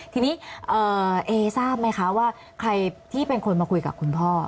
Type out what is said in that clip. ทีนี้เอทราบไหมคะว่าใครที่เป็นคนมาคุยกับคุณพ่อ